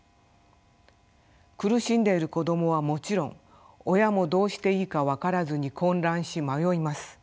苦しんでいる子どもはもちろん親もどうしていいか分からずに混乱し迷います。